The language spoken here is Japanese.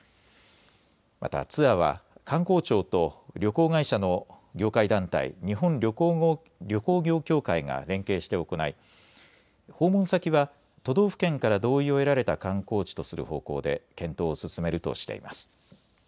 またツアーは観光庁と旅行会社の業界団体、日本旅行業協会が連携して行い訪問先は都道府県から同意を得られた観光地とする方向で検討を進めるとしています。